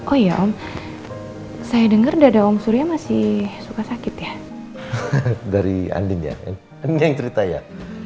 oh ya om saya dengar dada om surya masih suka sakit ya dari andi ya ada yang cerita ya